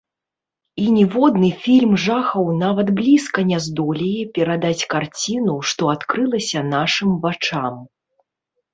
І ніводны фільм жахаў нават блізка не здолее перадаць карціну, што адкрылася нашым вачам.